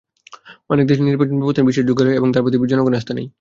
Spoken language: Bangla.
অনেক দেশে নির্বাচনব্যবস্থা বিশ্বাসযোগ্যতা হারিয়েছে এবং তার প্রতি জনগণের আস্থা নেই।